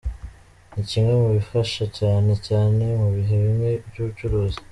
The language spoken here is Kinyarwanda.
Ni kimwe mu bimfasha cyane cyane mu bihe bimwe by’ubucuruzi.